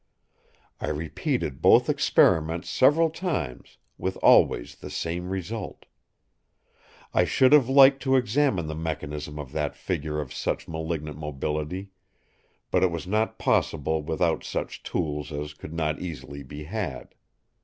"I repeated both experiments several times; with always the same result. I should have liked to examine the mechanism of that figure of such malignant mobility; but it was not possible without such tools as could not easily be had.